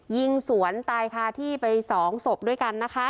ยิงสวนตายคาที่ไป๒ศพด้วยกันนะคะ